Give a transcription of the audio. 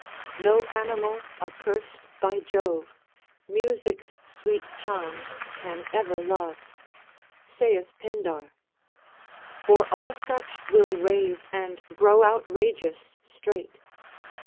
No animal accurst by Jove Music's sweet charms can ever love,* saith Pindar. For all such will rave and grow outrageous straight.